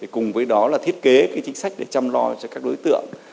cùng với đó là thiết kế chính sách để chăm lo cho các đối tượng